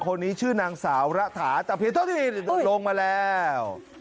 คนนี้ชื่อนางสาวระถาจับผิดโทษทีลงมาแล้ว